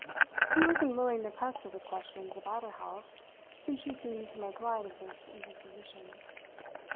He was unwilling to press her with questions about her health, since she seemed to make light of this indisposition.